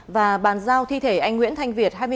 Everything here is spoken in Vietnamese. và bàn giao thi thể anh nguyễn thanh việt